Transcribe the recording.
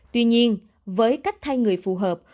tuy nhiên với cách thay người phù hợp